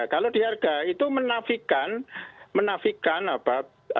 kalau diharga itu menafikan menafikan apa